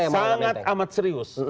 sangat amat serius